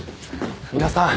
皆さん。